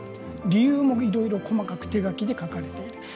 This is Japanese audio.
理由も、いろいろ細かく手書きで描かれている。